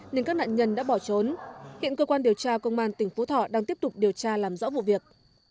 nên các nạn nhân đã bỏ trốn hiện cơ quan điều tra công an tỉnh phú thọ đang tiếp tục điều tra làm rõ vụ việc